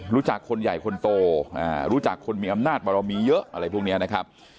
รู้จักคนใหญ่คนโตรู้จักคนมีอำนาจบารมีเยอะอะไรพวกนี้นะครับ